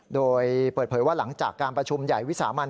โดยเปิดเผยว่าหลังจากการประชุมใหญ่วิสามัน